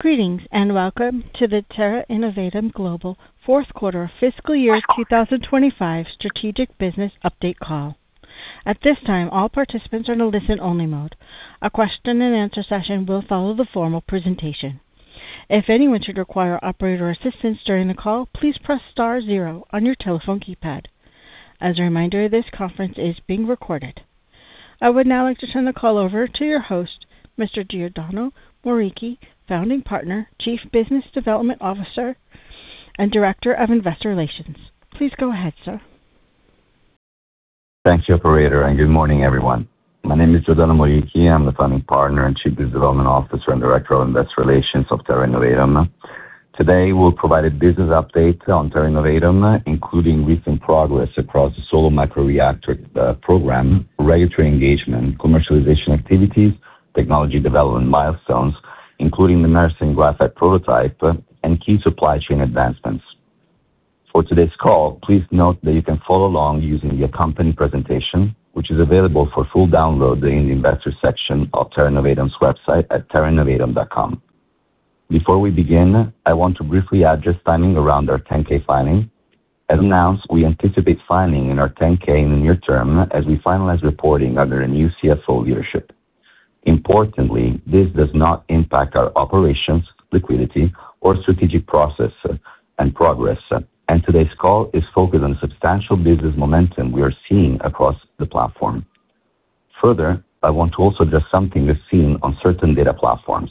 Greetings, and Welcome to the Terra Innovatum Global fourth quarter fiscal year 2025 Strategic Business update call. At this time, all participants are in a listen-only mode. A question-and-answer session will follow the formal presentation. If anyone should require operator assistance during the call, please press star zero on your telephone keypad. As a reminder, this conference is being recorded. I would now like to turn the call over to your host, Mr. Giordano Morichi, Founding Partner, Chief Business Development Officer, and Director of Investor Relations. Please go ahead, sir. Thank you, operator, and good morning, everyone. My name is Giordano Morichi. I'm the Founding Partner and Chief Business Development Officer and Director of Investor Relations of Terra Innovatum. Today, we'll provide a business update on Terra Innovatum, including recent progress across the Solo microreactor program, regulatory engagement, commercialization activities, technology development milestones, including the Mersen graphite prototype, and key supply chain advancements. For today's call, please note that you can follow along using the accompanying presentation, which is available for full download in the Investors section of Terra Innovatum's website at terrainnovatum.com. Before we begin, I want to briefly address timing around our 10-K filing. As announced, we anticipate filing our 10-K in the near term as we finalize reporting under a new CFO leadership. Importantly, this does not impact our operations, liquidity, or strategic process and progress, and today's call is focused on substantial business momentum we are seeing across the platform. Further, I want to also address something we're seeing on certain data platforms.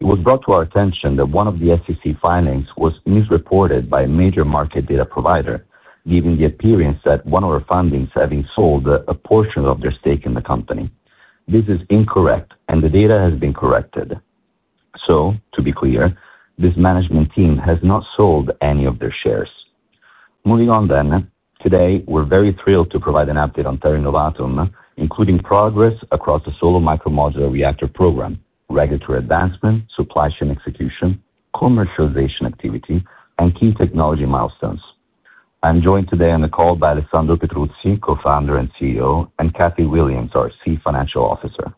It was brought to our attention that one of the SEC filings was misreported by a major market data provider, giving the appearance that one of our founders having sold a portion of their stake in the company. This is incorrect and the data has been corrected. To be clear, this management team has not sold any of their shares. Moving on, today we're very thrilled to provide an update on Terra Innovatum, including progress across the SOLO Micro-Modular Reactor program, regulatory advancement, supply chain execution, commercialization activity, and key technology milestones. I'm joined today on the call by Alessandro Petruzzi, Co-founder and CEO, and Kathy Williams, our Chief Financial Officer.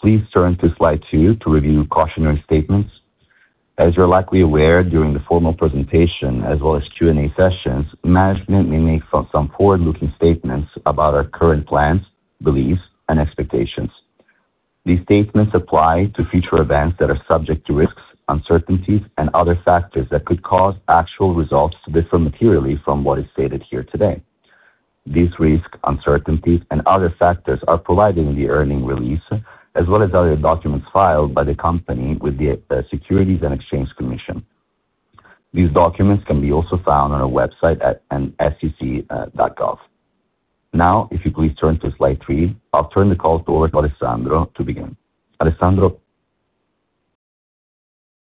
Please turn to slide two to review cautionary statements. As you're likely aware, during the formal presentation, as well as Q&A sessions, management may make some forward-looking statements about our current plans, beliefs, and expectations. These statements apply to future events that are subject to risks, uncertainties, and other factors that could cause actual results to differ materially from what is stated here today. These risks, uncertainties, and other factors are provided in the earnings release, as well as other documents filed by the company with the Securities and Exchange Commission. These documents can be also found on our website at sec.gov. Now, if you please turn to slide three. I'll turn the call over to Alessandro to begin. Alessandro.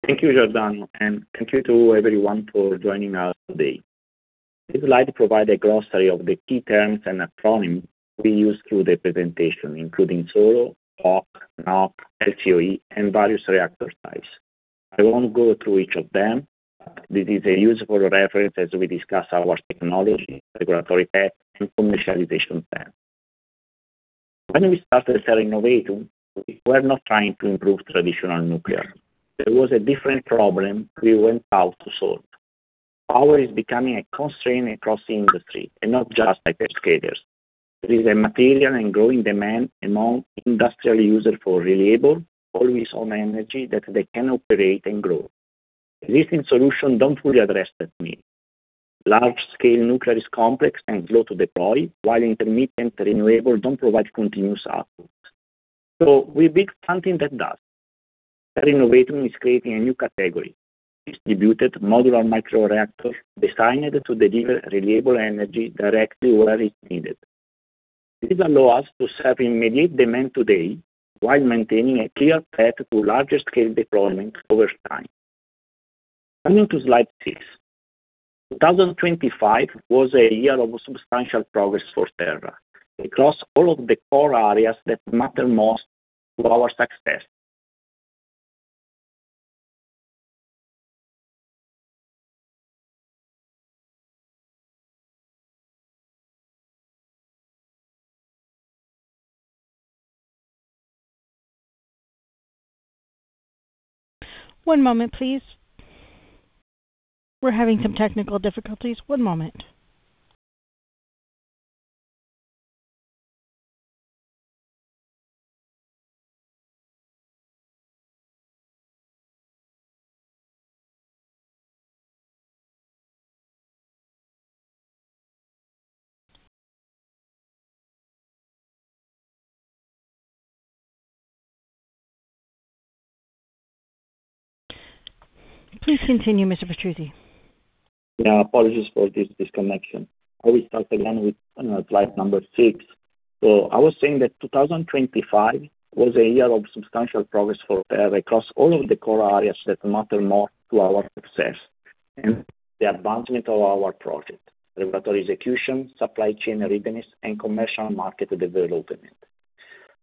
Thank you, Giordano, and thank you to everyone for joining us today. We would like to provide a glossary of the key terms and acronyms being used through the presentation, including SOLO, FOAK, NOAK, LCOE, and various reactor types. I won't go through each of them. This is a useful reference as we discuss our technology, regulatory path, and commercialization plan. When we started Terra Innovatum, we were not trying to improve traditional nuclear. There was a different problem we went out to solve. Power is becoming a constraint across the industry, and not just by first graders. There is a material and growing demand among industrial users for reliable, always-on energy that they can operate and grow. Existing solutions don't fully address that need. Large-scale nuclear is complex and slow to deploy, while intermittent renewable doesn't provide continuous output. We built something that does. Terra Innovatum is creating a new category, distributed modular microreactor designed to deliver reliable energy directly where it's needed. This allows us to serve immediate demand today while maintaining a clear path to larger scale deployment over time. Coming to slide six. 2025 was a year of substantial progress for Terra Innovatum across all of the core areas that matter most to our success. One moment, please. We're having some technical difficulties. One moment. Please continue, Mr. Petruzzi. Yeah. Apologies for this disconnection. I will start again with slide number six. I was saying that 2025 was a year of substantial progress for Terra across all of the core areas that matter most to our success and the advancement of our project, regulatory execution, supply chain readiness, and commercial market development.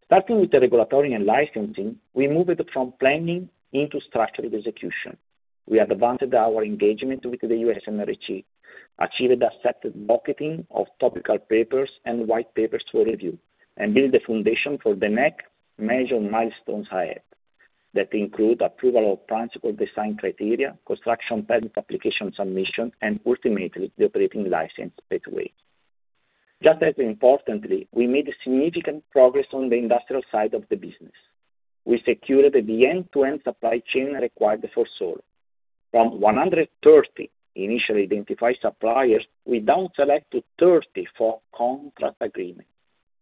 Starting with the regulatory and licensing, we moved from planning into structured execution. We advanced our engagement with the U.S. NRC, achieved a set docketing of topical papers and white papers for review, and build the foundation for the next major milestones ahead. That include approval of principal design criteria, construction, patent application submission, and ultimately, the operating license pathway. Just as importantly, we made significant progress on the industrial side of the business. We secured the end-to-end supply chain required for SOLO. From 130 initially identified suppliers, we downselected 30 for contract agreement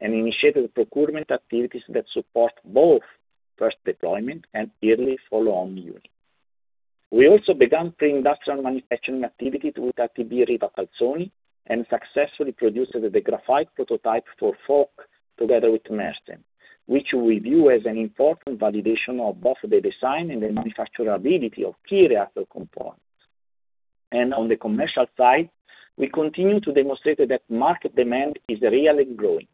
and initiated procurement activities that support both first deployment and yearly follow-on unit. We also began pre-industrial manufacturing activities with ATB Riva Calzoni and successfully produced the graphite prototype for SOLO together with Mersen, which we view as an important validation of both the design and the manufacturability of key reactor components. On the commercial side, we continue to demonstrate that market demand is really growing.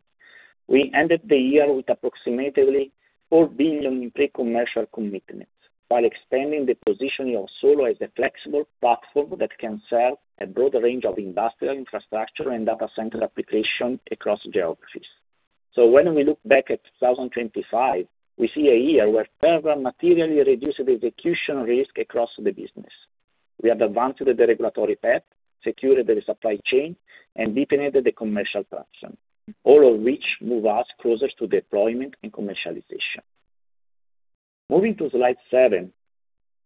We ended the year with approximately $4 billion in pre-commercial commitments while expanding the positioning of SOLO as a flexible platform that can serve a broader range of industrial, infrastructure, and data center application across geographies. When we look back at 2025, we see a year where Terra Innovatum materially reduced the execution risk across the business. We have advanced the regulatory path, secured the supply chain, and deepened the commercial traction, all of which move us closer to deployment and commercialization. Moving to slide seven.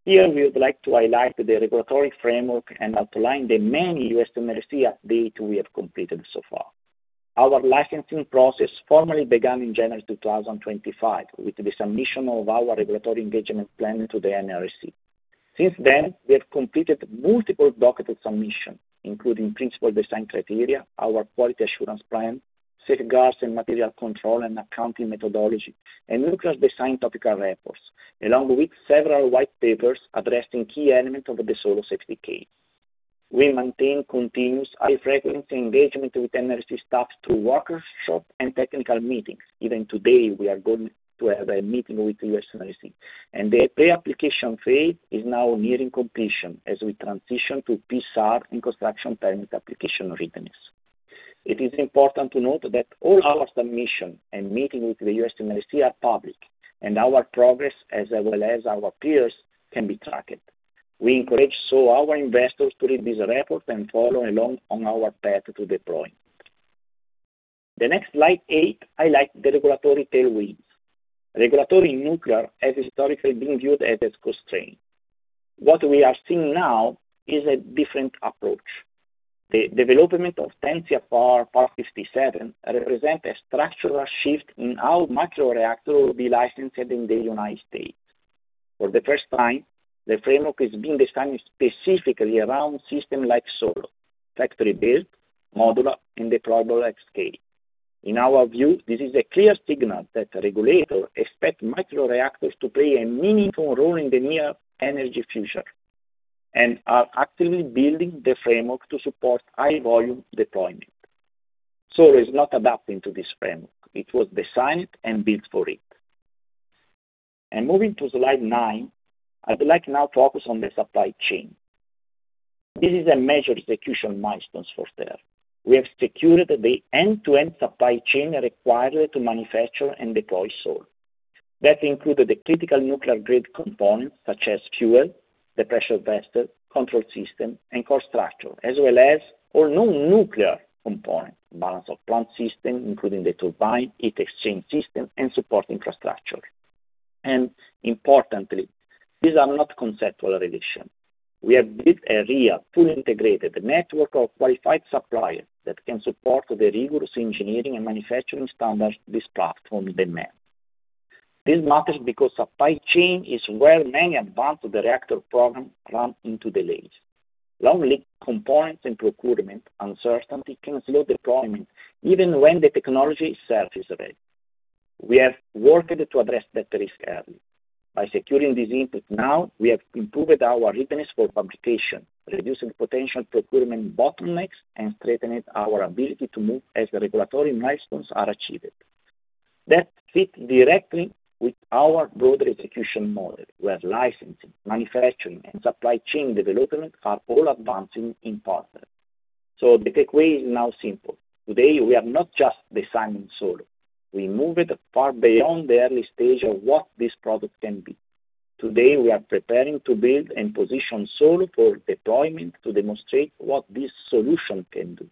Here we would like to highlight the regulatory framework and outline the many U.S. NRC updates we have completed so far. Our licensing process formally began in January 2025 with the submission of our regulatory engagement plan to the NRC. Since then, we have completed multiple docket submissions, including principal design criteria, our quality assurance plan, safeguards and material control and accounting methodology, and nuclear design topical reports, along with several white papers addressing key elements of the SOLO safety case. We maintain continuous high-frequency engagement with NRC staff through workshops and technical meetings. Even today, we are going to have a meeting with the NRC, and the pre-application phase is now nearing completion as we transition to PSAR and construction permit application readiness. It is important to note that all our submissions and meetings with the U.S. NRC are public, and our progress, as well as our peers can be tracked. We encourage our investors to read these reports and follow along on our path to deployment. The next slide eight, highlights the regulatory tailwinds. Regulatory nuclear has historically been viewed as a constraint. What we are seeing now is a different approach. The development of Part 57 represents a structural shift in how microreactors will be licensed in the United States. For the first time, the framework is being designed specifically around systems like SOLO, factory-built, modular, and deployable at scale. In our view, this is a clear signal that regulators expect microreactors to play a meaningful role in the near energy future and are actively building the framework to support high volume deployment. SOLO is not adapting to this framework. It was designed and built for it. Moving to slide nine, I would like now to focus on the supply chain. This is a major execution milestone for Terra Innovatum. We have secured the end-to-end supply chain required to manufacture and deploy SOLO. That included the critical nuclear-grade components such as fuel, the pressure vessel, control system, and core structure, as well as all non-nuclear components, balance-of-plant system, including the turbine, heat exchange system, and support infrastructure. Importantly, these are not conceptual relationships. We have built a real, fully integrated network of qualified suppliers that can support the rigorous engineering and manufacturing standards this platform demands. This matters because supply chain is where many advanced reactor programs run into delays. Long lead components and procurement uncertainty can slow deployment even when the technology itself is ready. We have worked to address that risk early. By securing these inputs now, we have improved our readiness for fabrication, reducing potential procurement bottlenecks, and strengthened our ability to move as the regulatory milestones are achieved. That fits directly with our broader execution model, where licensing, manufacturing, and supply chain development are all advancing in parallel. The takeaway is now simple. Today, we are not just designing SOLO. We moved it far beyond the early stage of what this product can be. Today, we are preparing to build and position SOLO for deployment to demonstrate what this solution can do.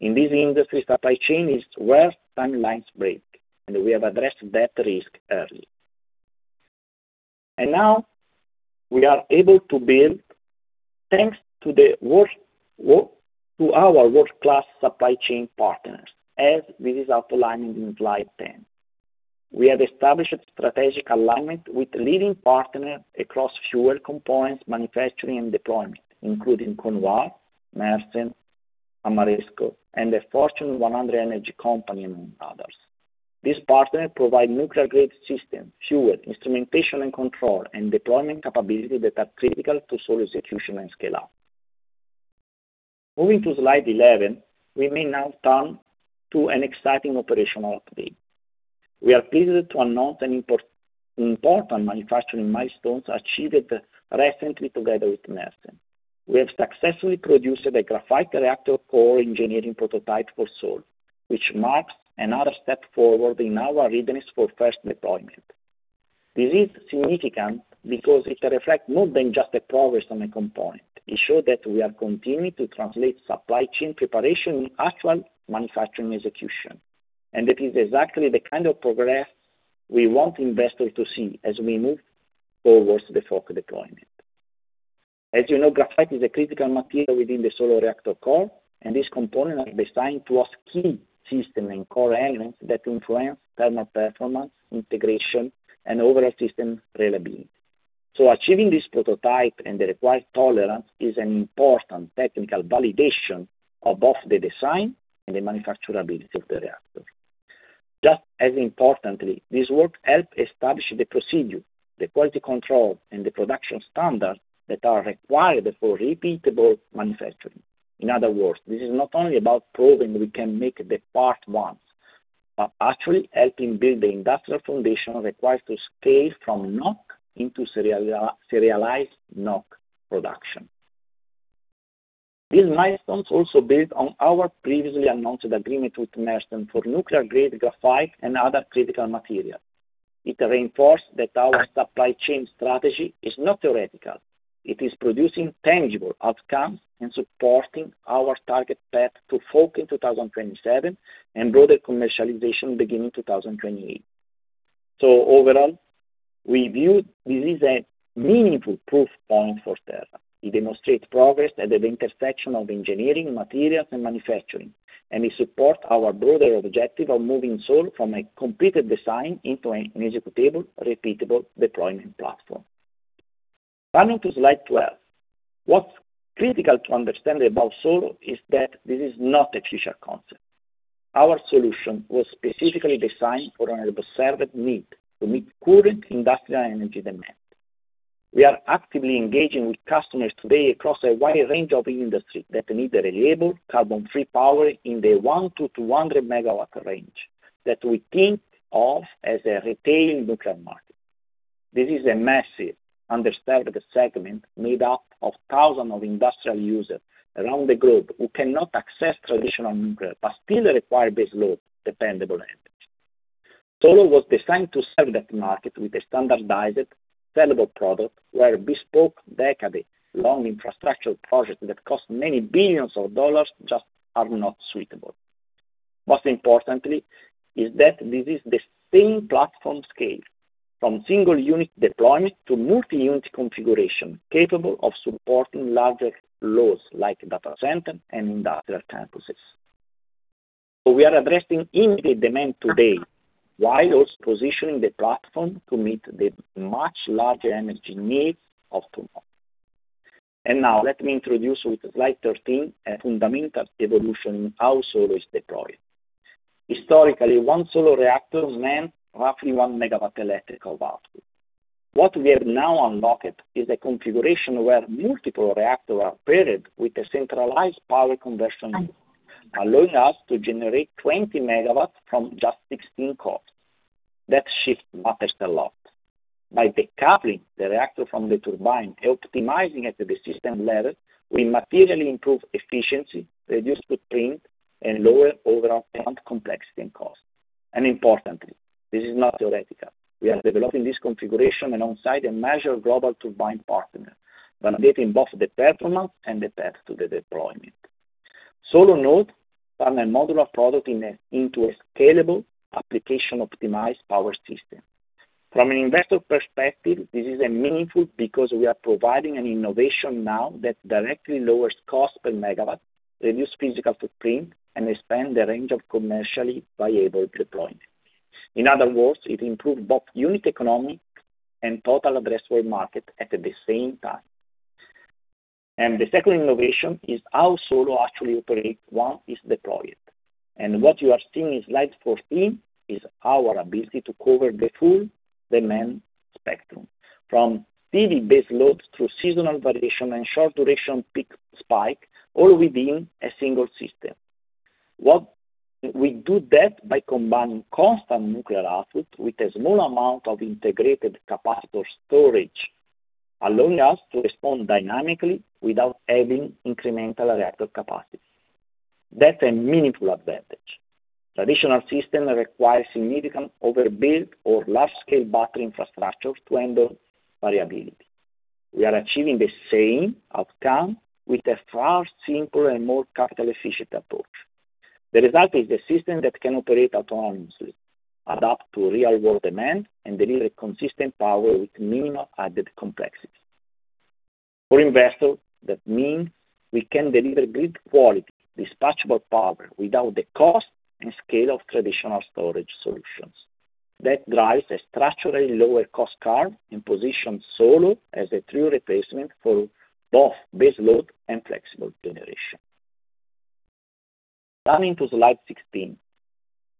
In this industry, supply chain is where timelines break, and we have addressed that risk early. Now we are able to build thanks to our world-class supply chain partners, as it is outlined in slide 10. We have established strategic alignment with leading partners across fuel components, manufacturing, and deployment, including Conval, Mersen, Ameresco, and a Fortune 100 energy company, among others. These partners provide nuclear-grade systems, fuel, instrumentation and control, and deployment capabilities that are critical to SOLO's execution and scale-out. Moving to slide 11, we may now turn to an exciting operational update. We are pleased to announce an important manufacturing milestone achieved recently together with Mersen. We have successfully produced a graphite reactor core engineering prototype for SOLO, which marks another step forward in our readiness for first deployment. This is significant because it reflects more than just progress on a component. It shows that we are continuing to translate supply chain preparation in actual manufacturing execution, and that is exactly the kind of progress we want investors to see as we move towards the FOAK deployment. As you know, graphite is a critical material within the SOLO reactor core, and this component is designed to have key system and core elements that influence thermal performance, integration, and overall system reliability. Achieving this prototype and the required tolerance is an important technical validation of both the design and the manufacturability of the reactor. Just as importantly, this work helps establish the procedure, the quality control, and the production standards that are required for repeatable manufacturing. In other words, this is not only about proving we can make the part once, but actually helping build the industrial foundation required to scale from FOAK into serialized NOAK production. These milestones also build on our previously announced agreement with Mersen for nuclear grade graphite and other critical materials. It reinforces that our supply chain strategy is not theoretical. It is producing tangible outcomes and supporting our target path to FOAK in 2027 and broader commercialization beginning 2028. Overall, we view this as a meaningful proof point for Terra Innovatum. It demonstrates progress at the intersection of engineering, materials, and manufacturing. We support our broader objective of moving SOLO from a completed design into an executable, repeatable deployment platform. Turning to slide 12. What's critical to understand about SOLO is that this is not a future concept. Our solution was specifically designed for an observed need to meet current industrial energy demand. We are actively engaging with customers today across a wide range of industry that need a reliable carbon-free power in the 1 MW-200 MW range that we think of as a retail nuclear market. This is a massive, underserved segment made up of thousands of industrial users around the globe who cannot access traditional nuclear but still require baseload dependable energy. SOLO was designed to serve that market with a standardized sellable product where bespoke, decade-long infrastructure projects that cost many billions of dollars just are not suitable. Most importantly is that this is the same platform scale from single unit deployment to multi-unit configuration, capable of supporting larger loads like data centers and industrial campuses. We are addressing immediate demand today while also positioning the platform to meet the much larger energy needs of tomorrow. Now let me introduce with slide 13 a fundamental evolution in how SOLO is deployed. Historically, one SOLO reactor meant roughly 1 MWe output. What we have now unlocked is a configuration where multiple reactors are paired with a centralized power conversion unit, allowing us to generate 20 MW from just 16 cores. That shift matters a lot by decoupling the reactor from the turbine, optimizing it at the system level, we materially improve efficiency, reduce footprint, and lower overall plant complexity and cost. Importantly, this is not theoretical. We are developing this configuration alongside a major global turbine partner, validating both the performance and the path to the deployment. SOLO Nodes form a modular product into a scalable application optimized power system. From an investor perspective, this is meaningful because we are providing an innovation now that directly lowers cost per megawatt, reduce physical footprint, and expand the range of commercially viable deployment. In other words, it improved both unit economy and total addressable market at the same time. The second innovation is how SOLO actually operates once it's deployed. What you are seeing in slide 14 is our ability to cover the full demand spectrum, from steady baseloads through seasonal variation and short duration peak spike, all within a single system. We do that by combining constant nuclear output with a small amount of integrated capacitor storage, allowing us to respond dynamically without adding incremental reactor capacity. That's a meaningful advantage. Traditional systems require significant overbuild or large-scale battery infrastructure to handle variability. We are achieving the same outcome with a far simpler and more capital-efficient approach. The result is a system that can operate autonomously, adapt to real-world demand, and deliver consistent power with minimal added complexity. For investors, that means we can deliver grid quality, dispatchable power without the cost and scale of traditional storage solutions. That drives a structurally lower cost curve and positions SOLO as a true replacement for both baseload and flexible generation. Turning to slide 16.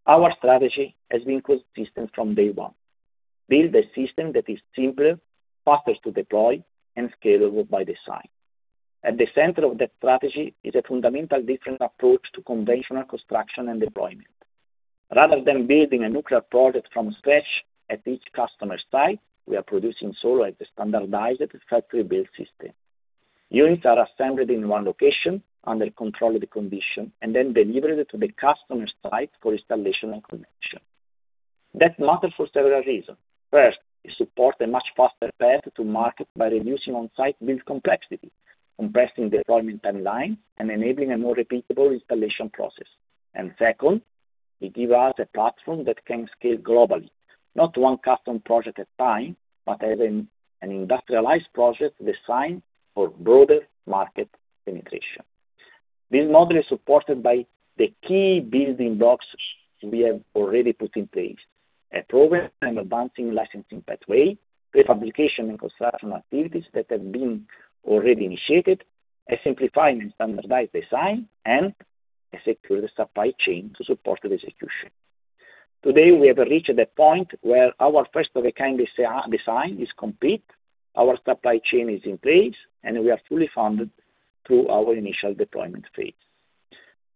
Our strategy has been closed systems from day one. Build a system that is simpler, faster to deploy, and scalable by design. At the center of that strategy is a fundamentally different approach to conventional construction and deployment. Rather than building a nuclear product from scratch at each customer site, we are producing SOLO as a standardized factory build system. Units are assembled in one location under controlled conditions and then delivered to the customer site for installation and commission. That matters for several reasons. First, it supports a much faster path to market by reducing on-site build complexity, compressing deployment timeline, and enabling a more repeatable installation process. Second, it gives us a platform that can scale globally, not one custom project at a time, but as an industrialized project designed for broader market penetration. This model is supported by the key building blocks we have already put in place, a program and advancing licensing pathway, pre-publication and construction activities that have been already initiated, a simplified and standardized design, and a secure supply chain to support the execution. Today, we have reached the point where our first-of-a-kind design is complete, our supply chain is in place, and we are fully funded through our initial deployment phase.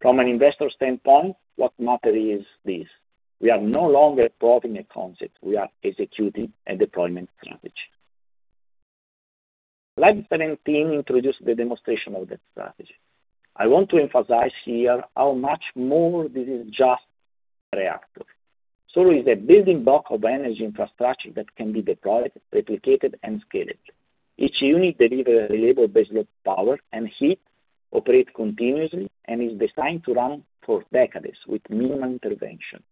From an investor standpoint, what matters is this, we are no longer proving a concept, we are executing a deployment strategy. Slide 17 introduces the demonstration of that strategy. I want to emphasize here how much more this is than just a reactor. SOLO is a building block of energy infrastructure that can be deployed, replicated, and scaled. Each unit delivers reliable baseload power and heat, operates continuously, and is designed to run for decades with minimum intervention.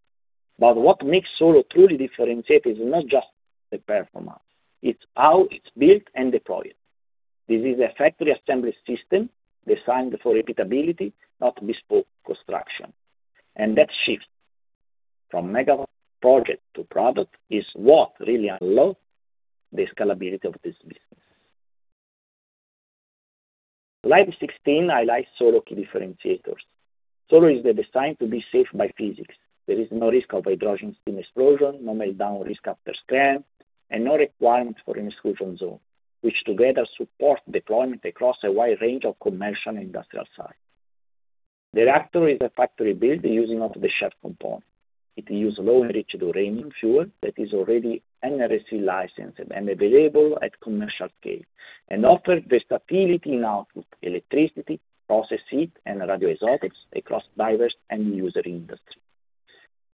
What makes SOLO truly differentiated is not just the performance, it's how it's built and deployed. This is a factory assembly system designed for repeatability, not bespoke construction. That shift from megawatt project to product is what really unlocks the scalability of this business. Slide 16 highlights SOLO's key differentiators. SOLO is designed to be safe by physics. There is no risk of a hydrogen explosion, no meltdown risk after SCRAM, and no requirement for an exclusion zone, which together support deployment across a wide range of commercial and industrial sites. The reactor is a factory build using off-the-shelf components. It uses low-enriched uranium fuel that is already NRC licensed and available at commercial scale and offers versatility in output, electricity, process heat, and radioisotopes across diverse end user industries.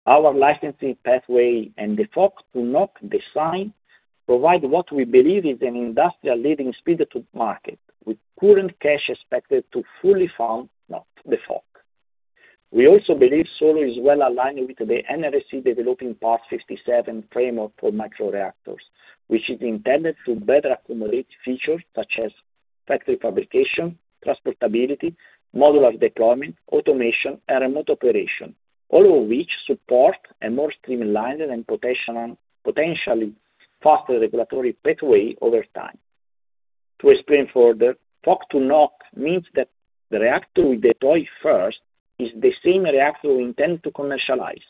Our licensing pathway and default to NOAK design provide what we believe is an industry-leading speed to market, with current cash expected to fully fund NOAK default. We also believe Solo is well-aligned with the NRC developing Part 57 framework for microreactors, which is intended to better accommodate features such as factory fabrication, transportability, modular deployment, automation, and remote operation, all of which support a more streamlined and potentially faster regulatory pathway over time. To explain further, FOAK to NOAK means that the reactor we deploy first is the same reactor we intend to commercialize.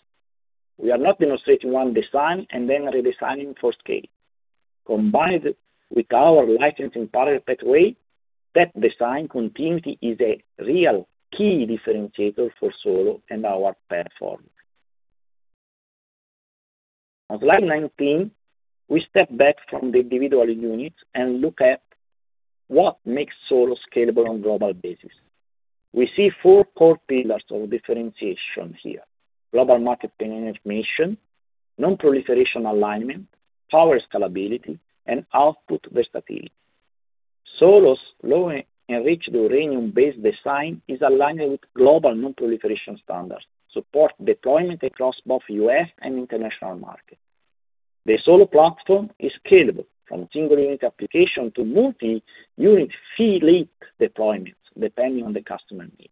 We are not demonstrating one design and then redesigning for scale. Combined with our licensing parallel pathway, that design continuity is a real key differentiator for SOLO and our platform. On slide 19, we step back from the individual units and look at what makes SOLO scalable on a global basis. We see four core pillars of differentiation here, global market penetration, non-proliferation alignment, power scalability, and output versatility. SOLO's low-enriched uranium-based design is aligned with global non-proliferation standards, supports deployment across both U.S. and international markets. The SOLO platform is scalable from single-unit application to multi-unit fleet deployments, depending on the customer need.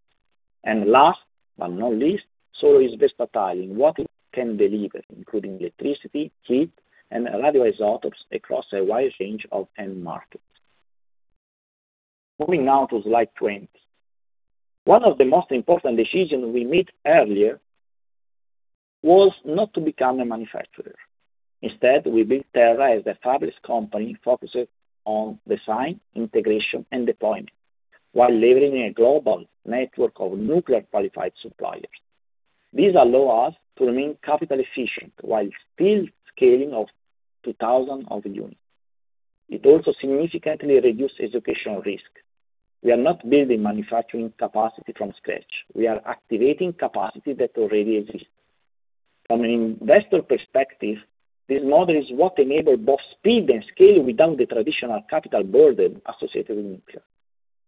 Last but not least, SOLO is versatile in what it can deliver, including electricity, heat, and radioisotopes across a wide range of end markets. Moving now to slide 20. One of the most important decisions we made earlier was not to become a manufacturer. Instead, we built Terra Innovatum as a fabless company focused on design, integration, and deployment while leveraging a global network of nuclear-qualified suppliers. These allow us to remain capital efficient while still scaling to 2,000 of the units. It also significantly reduces execution risk. We are not building manufacturing capacity from scratch. We are activating capacity that already exists. From an investor perspective, this model is what enables both speed and scale without the traditional capital burden associated with nuclear.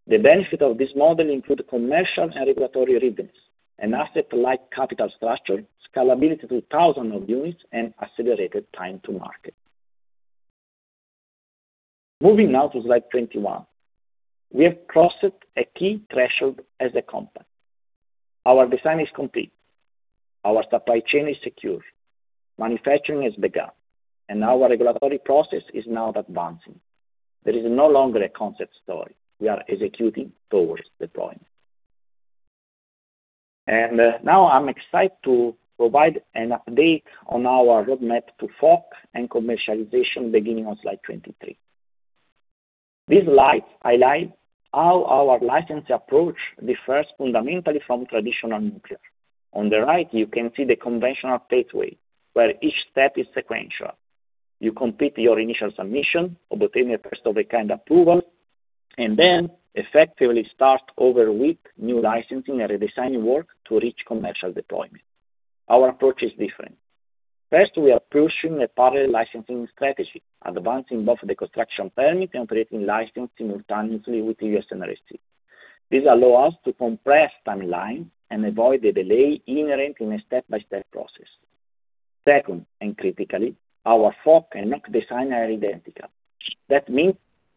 The benefit of this model includes commercial and regulatory rhythms, an asset-light capital structure, scalability to thousands of units, and accelerated time to market. Moving now to slide 21. We have crossed a key threshold as a company. Our design is complete, our supply chain is secure, manufacturing has begun, and our regulatory process is now advancing. There is no longer a concept story. We are executing towards deployment. Now I'm excited to provide an update on our roadmap to FOAK and commercialization beginning on slide 23. This slide highlights how our licensing approach differs fundamentally from traditional nuclear. On the right, you can see the conventional pathway, where each step is sequential. You complete your initial submission or obtain a FOAK approval, and then effectively start over with new licensing and redesign work to reach commercial deployment. Our approach is different. First, we are pushing a parallel licensing strategy, advancing both the construction permit and operating license simultaneously with the U.S. NRC. This allows us to compress the timeline and avoid the delay inherent in a step-by-step process. Second, and critically, our FOAK and NOAK design are identical. That means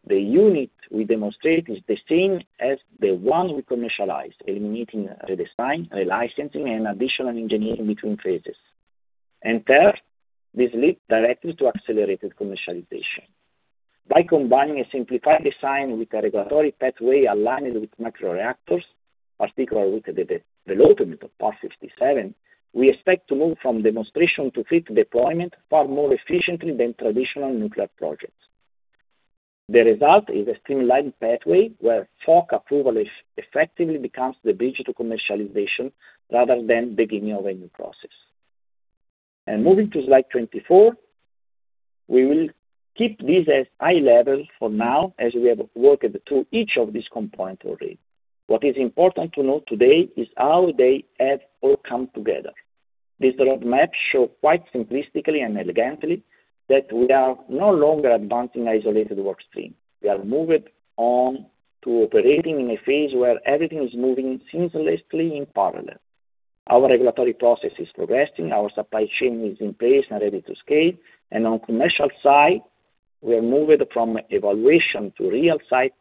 the unit we demonstrate is the same as the one we commercialize, eliminating redesign, relicensing, and additional engineering between phases. Third, this leads directly to accelerated commercialization. By combining a simplified design with a regulatory pathway aligned with microreactors, particularly with the development of Part 57, we expect to move from demonstration to fleet deployment far more efficiently than traditional nuclear projects. The result is a streamlined pathway where FOAK approval effectively becomes the bridge to commercialization rather than beginning of a new process. Moving to slide 24, we will keep this as high level for now as we have worked through each of these components already. What is important to note today is how they have all come together. This roadmap show quite simplistically and elegantly that we are no longer advancing isolated work stream. We have moved on to operating in a phase where everything is moving seamlessly in parallel. Our regulatory process is progressing, our supply chain is in place and ready to scale, and on commercial side, we have moved from evaluation to real site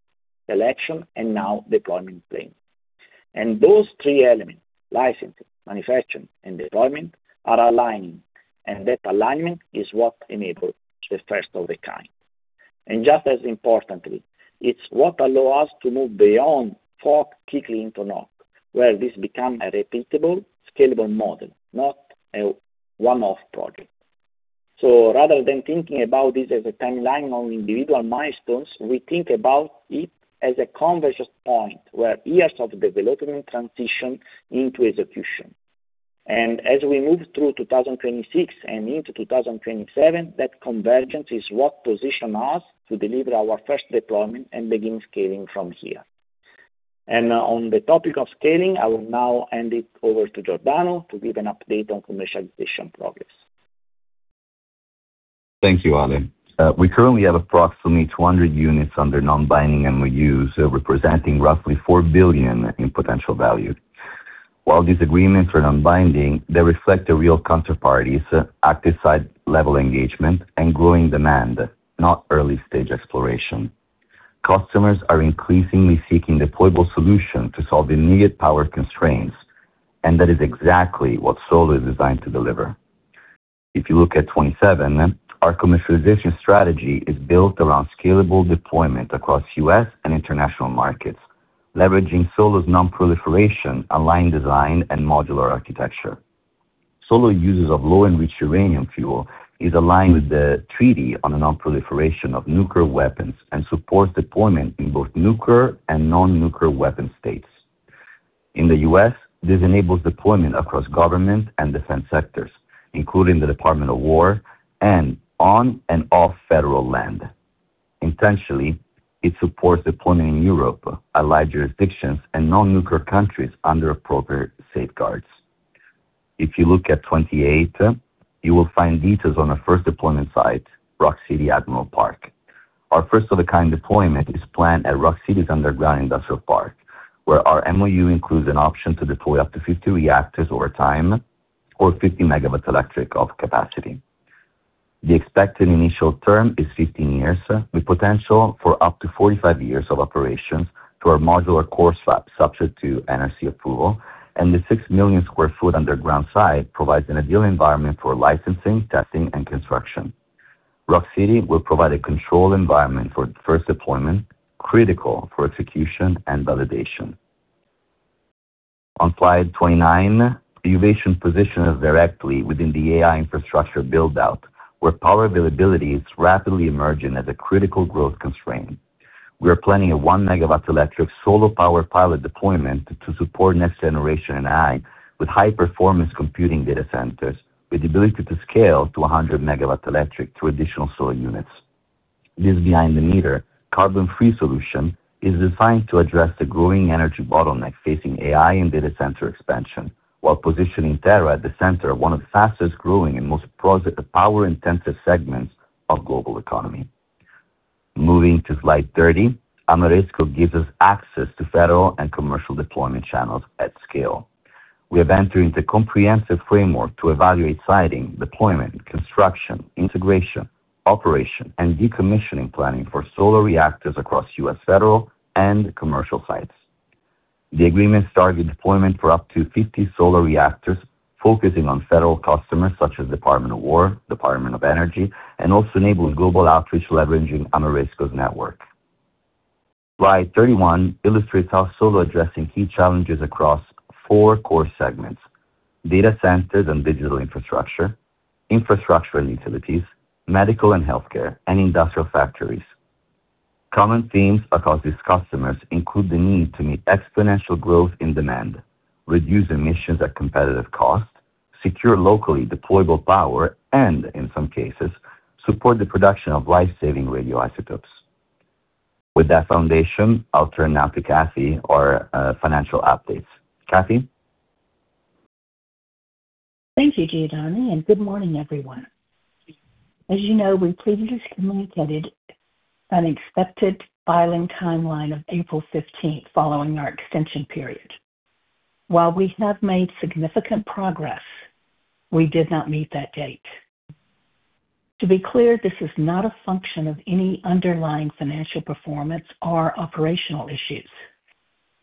selection and now deployment planning. Those three elements, licensing, manufacturing, and deployment, are aligning, and that alignment is what enables the FOAK. Just as importantly, it's what allow us to move beyond FOAK quickly into NOAK, where this becomes a repeatable, scalable model, not a one-off project. Rather than thinking about this as a timeline on individual milestones, we think about it as a convergence point, were years of development transition into execution. As we move through 2026 and into 2027, that convergence is what position us to deliver our first deployment and begin scaling from here. On the topic of scaling, I will now hand it over to Giordano to give an update on commercialization progress. Thank you, Ale. We currently have approximately 200 units under non-binding MOUs, representing roughly $4 billion in potential value. While these agreements are non-binding, they reflect the real counterparty's active site-level engagement and growing demand, not early-stage exploration. Customers are increasingly seeking deployable solution to solve immediate power constraints, and that is exactly what SOLO is designed to deliver. If you look at 27, our commercialization strategy is built around scalable deployment across U.S. and international markets, leveraging SOLO's non-proliferation aligned design and modular architecture. SOLO uses a low-enriched uranium fuel, is aligned with the Treaty on the Non-Proliferation of Nuclear Weapons and supports deployment in both nuclear and non-nuclear weapon states. In the U.S., this enables deployment across government and defense sectors, including the Department of Defense and on and off federal land. Additionally, it supports deployment in Europe, allied jurisdictions, and non-nuclear countries under appropriate safeguards. If you look at 27, you will find details on our first deployment site, Rock City, Admiral Parkway. Our first-of-a-kind deployment is planned at Rock City's underground industrial park, where our MOU includes an option to deploy up to 50 reactors over time or 50 MWe of capacity. The expected initial term is 15 years, with potential for up to 45 years of operations through our modular core swap, subject to NRC approval, and the 6 million sq ft underground site provides an ideal environment for licensing, testing, and construction. Rock City will provide a controlled environment for the first deployment, critical for execution and validation. On slide 29, strategic position is directly within the AI infrastructure build-out, where power availability is rapidly emerging as a critical growth constraint. We are planning a 1 MW electric SOLO power pilot deployment to support next generation AI with high performance computing data centers, with the ability to scale to 100 MW electric through additional SOLO units. This behind the meter, carbon free solution is designed to address the growing energy bottleneck facing AI and data center expansion, while positioning Terra Innovatum at the center of one of the fastest growing and most power-intensive segments of global economy. Moving to slide 30, Ameresco gives us access to federal and commercial deployment channels at scale. We are entering the comprehensive framework to evaluate siting, deployment, construction, integration, operation, and decommissioning planning for SOLO reactors across U.S. federal and commercial sites. The agreement started deployment for up to 50 SOLO reactors, focusing on federal customers such as Department of Defense, Department of Energy, and also enabling global outreach leveraging Ameresco's network. Slide 31 illustrates how SOLO is addressing key challenges across four core segments, data centers and digital infrastructure and utilities, medical and healthcare, and industrial factories. Common themes across these customers include the need to meet exponential growth in demand, reduce emissions at competitive cost, secure locally deployable power, and in some cases, support the production of life-saving radioisotopes. With that foundation, I'll turn now to Kathy Williams, for financial updates. Kathy? Thank you, Giordano, and good morning, everyone. As you know, we previously communicated an expected filing timeline of April 15th, 2026, following our extension period. While we have made significant progress, we did not meet that date. To be clear, this is not a function of any underlying financial performance or operational issues.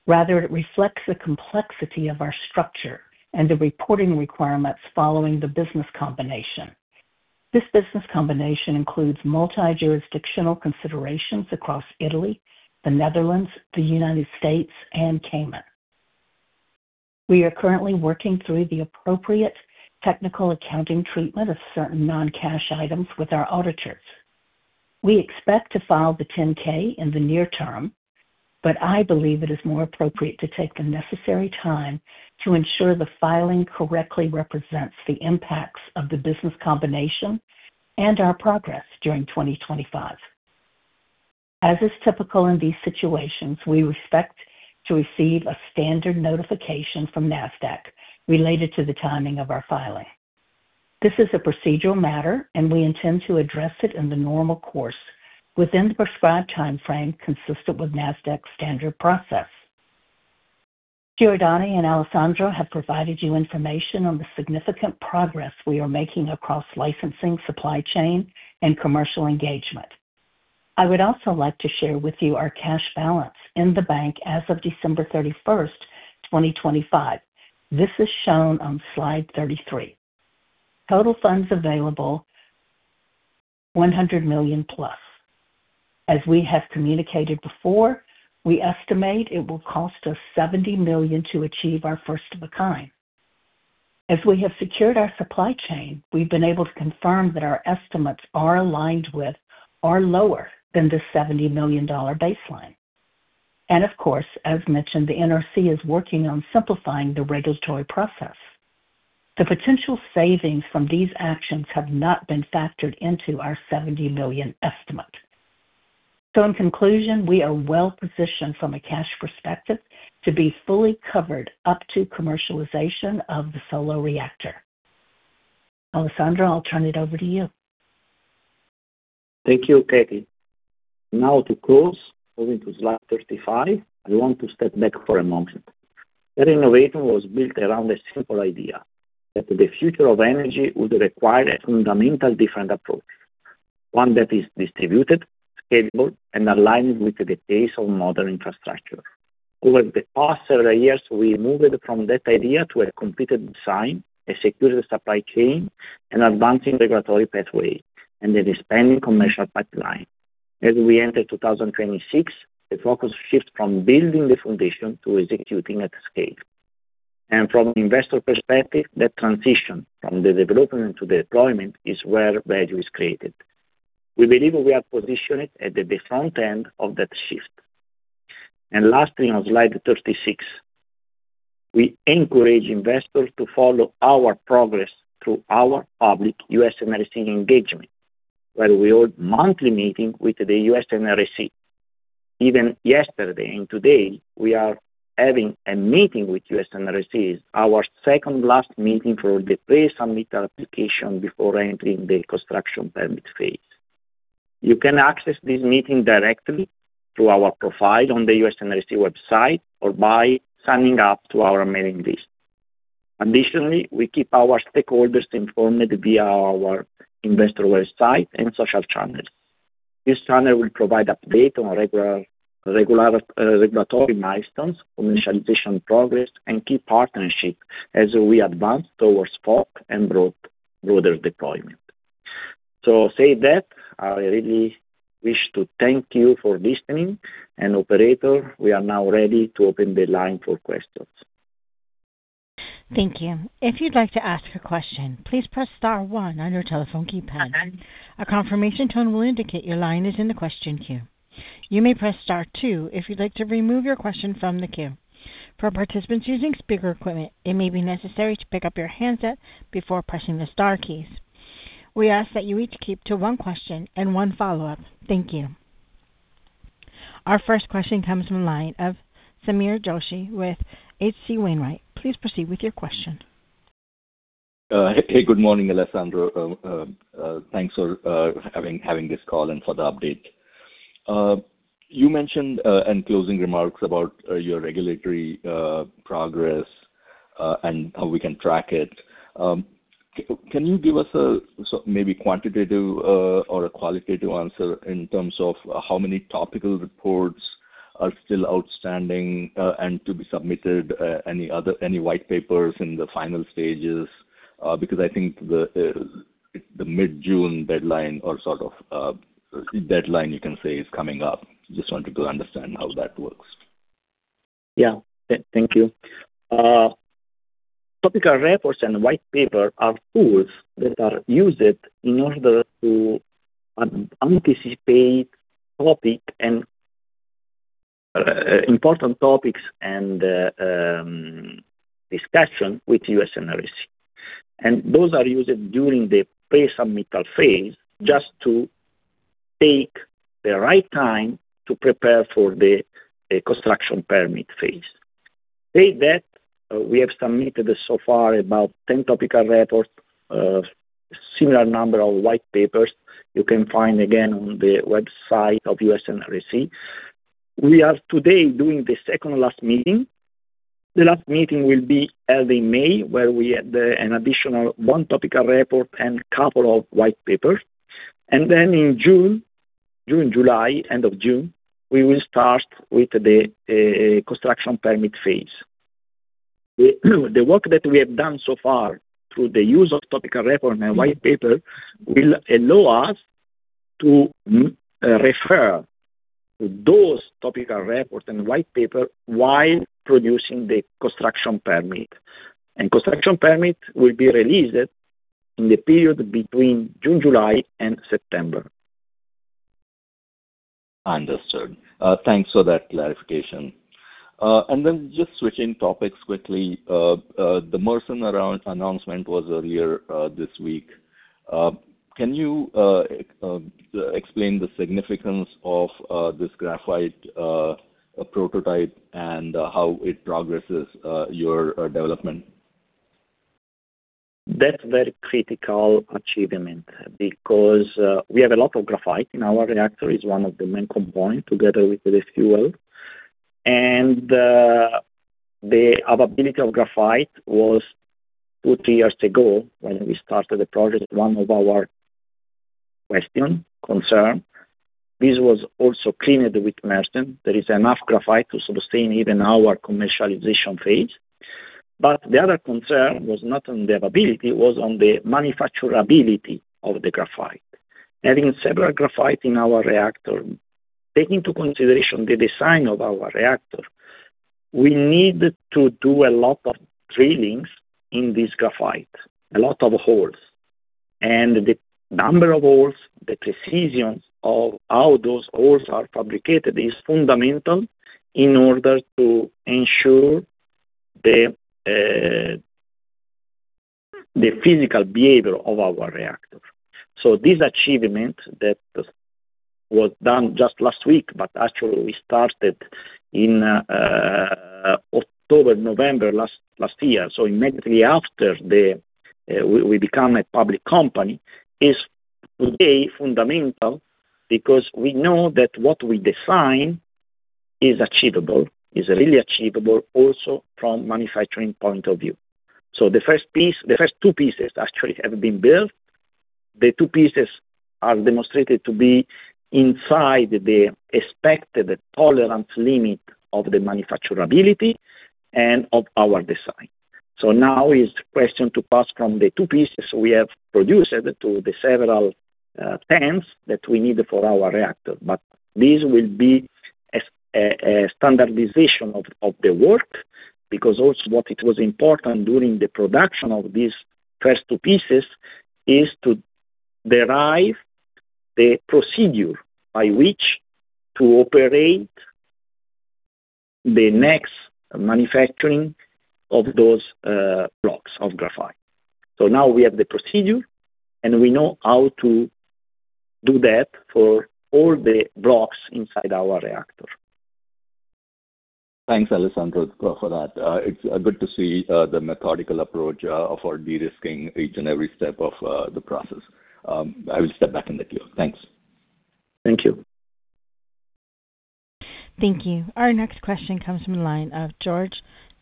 Rather, it reflects the complexity of our structure and the reporting requirements following the business combination. This business combination includes multi-jurisdictional considerations across Italy, the Netherlands, the United States, and Cayman. We are currently working through the appropriate technical accounting treatment of certain non-cash items with our auditors. We expect to file the 10-K in the near term, but I believe it is more appropriate to take the necessary time to ensure the filing correctly represents the impacts of the business combination and our progress during 2025. As is typical in these situations, we expect to receive a standard notification from NASDAQ related to the timing of our filing. This is a procedural matter, and we intend to address it in the normal course within the prescribed timeframe consistent with NASDAQ standard process. Giordano and Alessandro have provided you information on the significant progress we are making across licensing, supply chain, and commercial engagement. I would also like to share with you our cash balance in the bank as of December 31st, 2025. This is shown on slide 33. Total funds available, $100 million+. As we have communicated before, we estimate it will cost us $70 million to achieve our FOAK. As we have secured our supply chain, we've been able to confirm that our estimates are aligned with or lower than the $70 million baseline. Of course, as mentioned, the NRC is working on simplifying the regulatory process. The potential savings from these actions have not been factored into our $70 million estimate. In conclusion, we are well-positioned from a cash perspective to be fully covered up to commercialization of the Solo reactor. Alessandro, I'll turn it over to you. Thank you, Kathy. Now to close, moving to slide 35, I want to step back for a moment. That innovation was built around a simple idea that the future of energy would require a fundamentally different approach, one that is distributed, scalable, and aligned with the pace of modern infrastructure. Over the past several years, we moved from that idea to a completed design, a secure supply chain, an advancing regulatory pathway, and an expanding commercial pipeline. As we enter 2026, the focus shifts from building the foundation to executing at scale. From an investor perspective, that transition from the development to deployment is where value is created. We believe we are positioned at the front end of that shift. Lastly, on slide 36, we encourage investors to follow our progress through our public U.S. NRC engagement, where we hold monthly meeting with the U.S. NRC. Even yesterday and today, we are having a meeting with U.S. NRC, our second last meeting for the pre-submit application before entering the construction permit phase. You can access this meeting directly through our profile on the U.S. NRC website or by signing up to our mailing list. Additionally, we keep our stakeholders informed via our investor website and social channels. This channel will provide update on regulatory milestones, commercialization progress, and key partnership as we advance towards FOAK and broader deployment. Having said that, I really wish to thank you for listening, and operator, we are now ready to open the line for questions. Thank you. If you'd like to ask a question, please press star one on your telephone keypad. A confirmation tone will indicate your line is in the question queue. You may press star two if you'd like to remove your question from the queue. For participants using speaker equipment, it may be necessary to pick up your handset before pressing the star keys. We ask that you each keep to one question and one follow-up. Thank you. Our first question comes from line of Sameer Joshi with H.C. Wainwright. Please proceed with your question. Hey. Good morning, Alessandro. Thanks for having this call and for the update. You mentioned in closing remarks about your regulatory progress, and how we can track it. Can you give us maybe a quantitative or a qualitative answer in terms of how many topical reports are still outstanding, and to be submitted, any white papers in the final stages? Because I think the mid-June deadline, or sort of deadline, you can say, is coming up. Just wanted to understand how that works. Yeah. Thank you. Topical reports and white paper are tools that are used in order to anticipate important topics and discussion with U.S. NRC. Those are used during the pre-submittal phase just to take the right time to prepare for the construction permit phase. To date, we have submitted so far about 10 topical reports, a similar number of white papers. You can find again on the website of U.S. NRC. We are today doing the second last meeting. The last meeting will be held in May, where we have an additional one topical report and a couple of white papers. In June, July, end of June, we will start with the construction permit phase. The work that we have done so far through the use of topical report and white paper will allow us to refer to those topical reports and white paper while producing the construction permit. Construction permit will be released in the period between June, July, and September. Understood. Thanks for that clarification. Just switching topics quickly, the Mersen announcement was earlier this week. Can you explain the significance of this graphite prototype and how it progresses your development? That's a very critical achievement because we have a lot of graphite in our reactor, is one of the main components together with the fuel. The availability of graphite was two-three years ago, when we started the project, one of our question, concern. This was also cleared with Mersen. There is enough graphite to sustain even our commercialization phase. The other concern was not on the availability; it was on the manufacturability of the graphite. Having several graphite in our reactor, take into consideration the design of our reactor, we need to do a lot of drillings in this graphite, a lot of holes. The number of holes, the precision of how those holes are fabricated is fundamental in order to ensure the physical behavior of our reactor. This achievement that was done just last week, but actually we started in October, November last year, so immediately after we become a public company, is today fundamental because we know that what we design is achievable, is really achievable also from manufacturing point of view. The first two pieces actually have been built. The two pieces are demonstrated to be inside the expected tolerance limit of the manufacturability and of our design. Now is question to pass from the two pieces we have produced to the several tens that we need for our reactor. This will be a standardization of the work, because also what it was important during the production of these first two pieces is to derive the procedure by which to operate the next manufacturing of those blocks of graphite. Now we have the procedure, and we know how to do that for all the blocks inside our reactor. Thanks, Alessandro, for that. It's good to see the methodical approach of de-risking each and every step of the process. I will step back in the queue. Thanks. Thank you. Thank you. Our next question comes from the line of George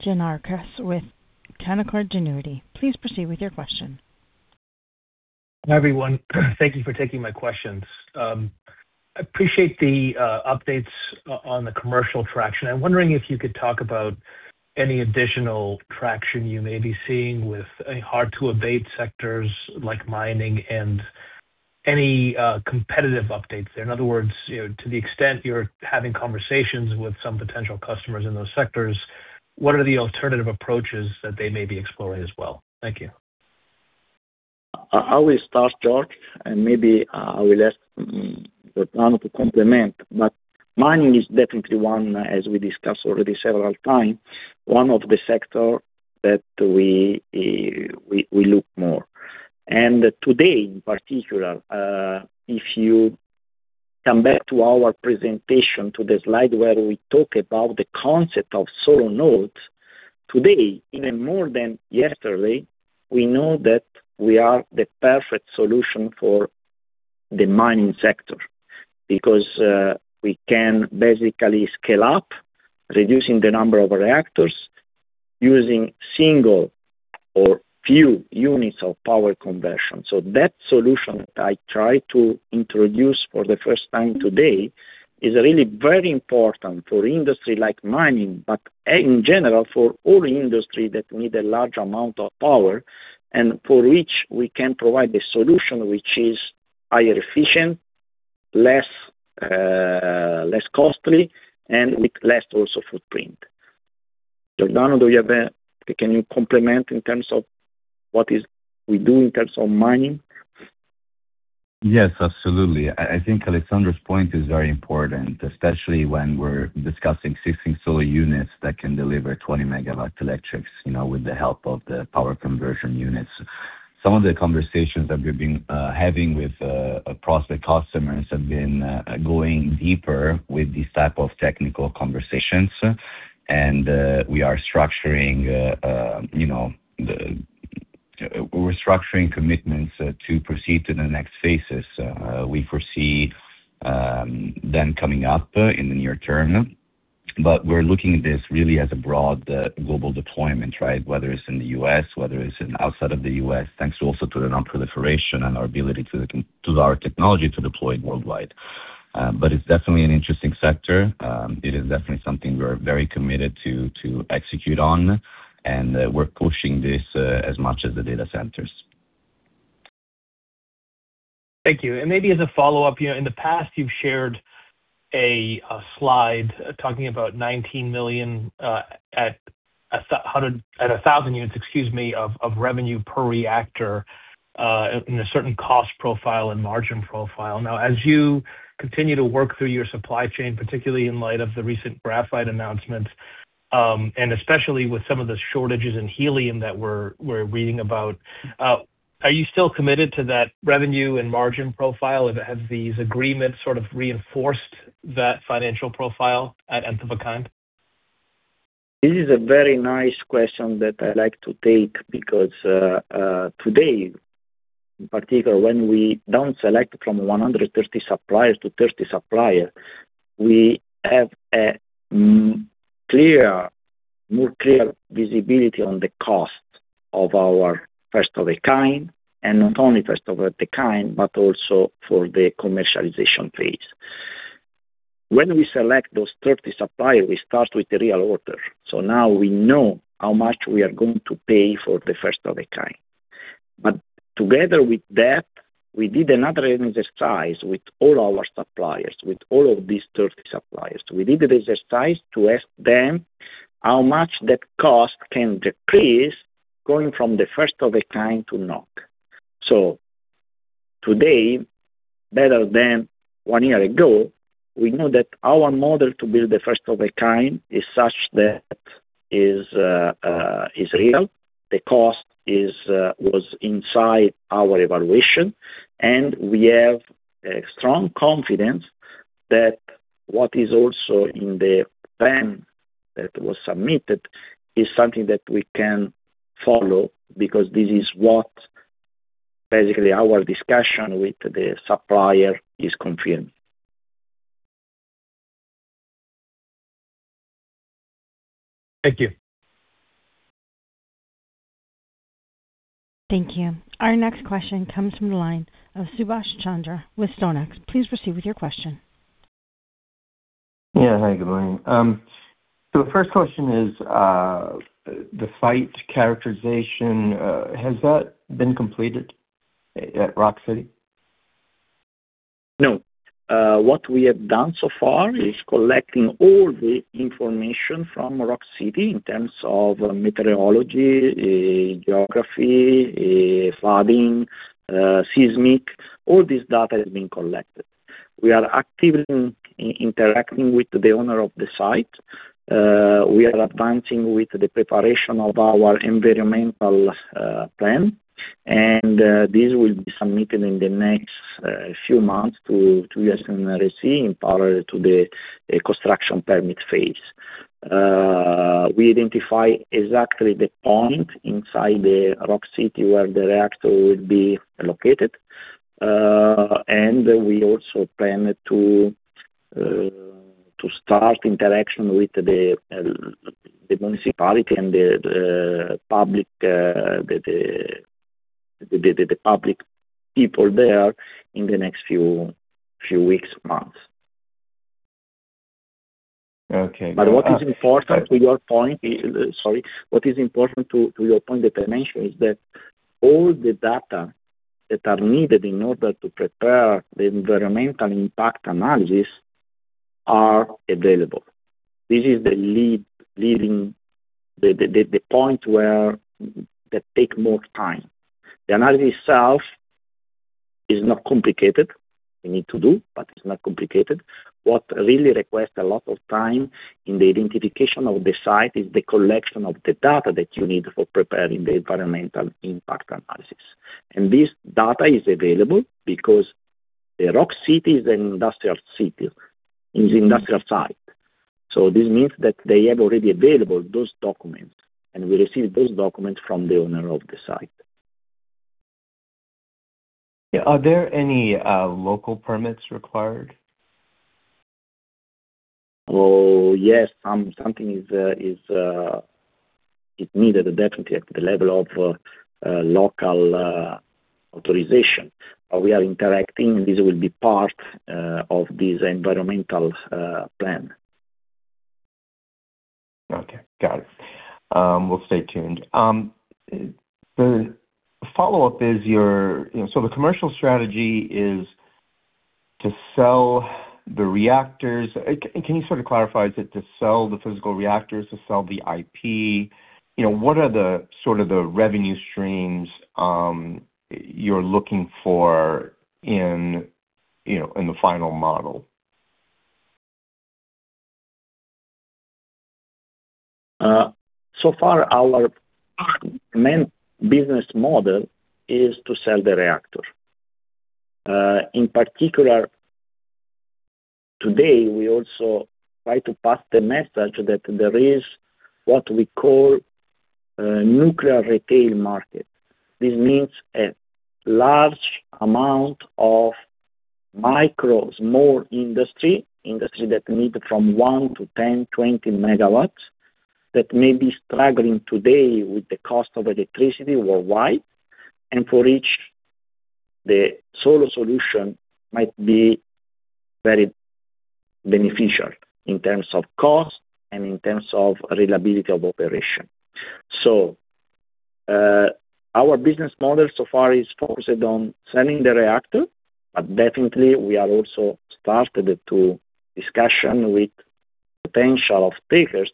Gianarikas with Canaccord Genuity. Please proceed with your question. Hi, everyone. Thank you for taking my questions. I appreciate the updates on the commercial traction. I'm wondering if you could talk about any additional traction you may be seeing with hard-to-abate sectors like mining and any competitive updates there. In other words, to the extent you're having conversations with some potential customers in those sectors, what are the alternative approaches that they may be exploring as well? Thank you. I will start, George, and maybe I will ask Giordano to complement, but mining is definitely one, as we discussed already several times, one of the sector that we look more. Today, in particular, if you come back to our presentation, to the slide where we talk about the concept of SOLO Nodes, today, even more than yesterday, we know that we are the perfect solution for the mining sector because we can basically scale up, reducing the number of reactors, using single or few units of power conversion. That solution I try to introduce for the first time today is really very important for industry like mining, but in general, for all industry that need a large amount of power and for which we can provide a solution which is more efficient, less costly and with less also footprint. Giordano, can you comment in terms of what we do in terms of mining? Yes, absolutely. I think Alessandro's point is very important, especially when we're discussing 16 solar units that can deliver 20 MWe, with the help of the power conversion units. Some of the conversations that we've been having with prospective customers have been going deeper with this type of technical conversations. We are structuring commitments to proceed to the next phases. We foresee them coming up in the near term. We're looking at this really as a broad global deployment, right? Whether it's in the U.S., whether it's outside of the U.S., thanks also to the nonproliferation and our ability to our technology to deploy worldwide. It's definitely an interesting sector. It is definitely something we're very committed to execute on, and we're pushing this as much as the data centers. Thank you. Maybe as a follow-up, in the past, you've shared a slide talking about $19 million at 1,000 units of revenue per reactor, in a certain cost profile and margin profile. Now, as you continue to work through your supply chain, particularly in light of the recent graphite announcements, and especially with some of the shortages in helium that we're reading about, are you still committed to that revenue and margin profile? Have these agreements sort of reinforced that financial profile at NOAK? This is a very nice question that I like to take because, today in particular, when we down select from 130 suppliers to 30 suppliers, we have more clear visibility on the cost of our FOAK, and not only FOAK, but also for the commercialization phase. When we select those 30 suppliers, we start with the real order. Now we know how much we are going to pay for the FOAK. Together with that, we did another exercise with all our suppliers, with all of these 30 suppliers. We did the exercise to ask them how much that cost can decrease going from the FOAK to NOAK. Today, better than one year ago, we know that our model to build the FOAK is such that is real. The cost was inside our evaluation, and we have a strong confidence that what is also in the plan that was submitted is something that we can follow because this is what basically our discussion with the supplier is confirmed. Thank you. Thank you. Our next question comes from the line of Subash Chandra with Benchmark. Please proceed with your question. Yeah. Hi, good morning. The first question is, the site characterization, has that been completed at Rock City? No. What we have done so far is collecting all the information from Rock City in terms of meteorology, geography, flooding, seismic. All this data has been collected. We are actively interacting with the owner of the site. We are advancing with the preparation of our environmental plan, and this will be submitted in the next few months to NRC in parallel to the construction permit phase. We identify exactly the point inside the Rock City where the reactor will be located. We also plan to start interaction with the municipality and the public people there in the next few weeks, months. Okay. What is important to your point that I mention is that all the data that are needed in order to prepare the environmental impact analysis are available. This is the point where that take more time. The analysis itself is not complicated. We need to do, but it's not complicated. What really requests a lot of time in the identification of the site is the collection of the data that you need for preparing the environmental impact analysis. This data is available because the Rock City is an industrial city, industrial site. This means that they have already available those documents, and we receive those documents from the owner of the site. Yeah. Are there any local permits required? Yes, something is needed definitely at the level of local authorization. We are interacting, and this will be part of this environmental plan. Got it. We'll stay tuned. The follow-up is, so the commercial strategy is to sell the reactors. Can you sort of clarify, is it to sell the physical reactors, to sell the IP? What are the sort of revenue streams you're looking for in the final model? So far, our main business model is to sell the reactor. In particular, today, we also try to pass the message that there is what we call a nuclear retail market. This means a large amount of micro, small industry that need from 1 MW-10 MW, 20 MW, that may be struggling today with the cost of electricity worldwide. For each, the solo solution might be very beneficial in terms of cost and in terms of reliability of operation. Our business model so far is focused on selling the reactor, but definitely we have also started to discuss with potential off takers